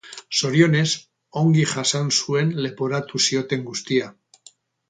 Zorionez, ongi jasan zuen leporatu zioten guztia.